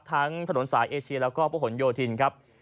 ทั้งถนนสายเอเชียแล้วก็พระหลโยธินครับ